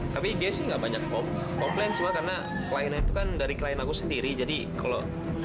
tapi dia sih nggak banyak offline semua karena kliennya itu kan dari klien aku sendiri jadi kalau